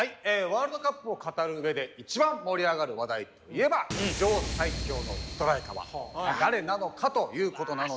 ワールドカップを語るうえで一番盛り上がる話題といえば「史上最強のストライカーは誰なのか？」ということなのではないでしょうか。